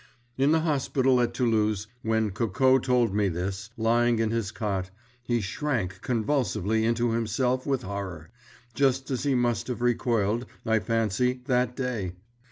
In the hospital at Toulouse, when Coco told me this, lying in his cot, he shrank convulsively into himself with horror, just as he must have recoiled, I fancy, that day.